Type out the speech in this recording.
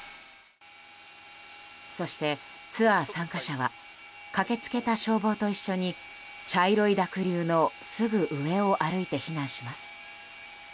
そして、ツアー参加者は駆けつけた消防と一緒に茶色い濁流のすぐ上を歩いて避難します。